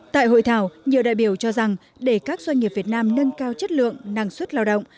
tại hội thảo nhiều đại biểu cho rằng để các doanh nghiệp việt nam nâng cao chất lượng năng suất lao động